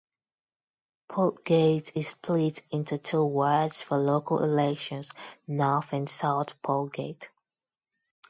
Polegate is split into two wards for local elections, North and South Polegate.